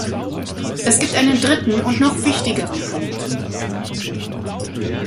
Es gibt einen dritten und noch wichtigeren Punkt.